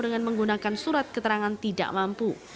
dengan menggunakan surat keterangan tidak mampu